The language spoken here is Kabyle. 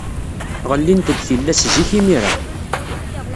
Ɣellint-d tillas zik imir-a.